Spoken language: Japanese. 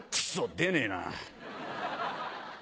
出ねえな」。